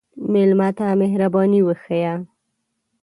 مېلمه ته مهرباني وښیه.